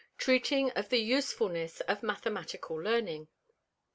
treating of the Usefulness of Mathematical Learning.